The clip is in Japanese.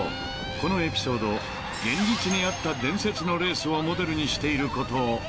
［このエピソード現実にあった伝説のレースをモデルにしていることを知っているだろうか］